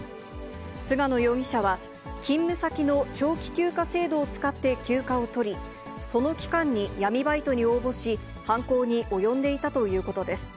菅野容疑者は、勤務先の長期休暇制度を使って休暇を取り、その期間に闇バイトに応募し、犯行に及んでいたということです。